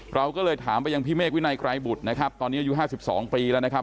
เราก็เลยถามไปยังพี่เมฆวินัยไกรบุตรนะครับตอนนี้อายุ๕๒ปีแล้วนะครับ